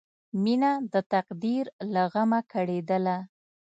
مینه د تقدیر له غمه کړېدله